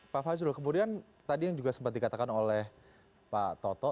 pak fajrul kemudian tadi yang juga sempat dikatakan oleh pak toto